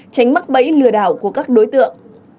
tránh mắc bẫy lừa đảo của các đối tượng